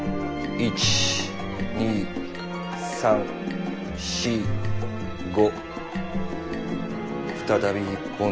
１２３４５。